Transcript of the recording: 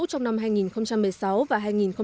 trong năm hai nghìn một mươi sáu và hai nghìn một mươi chín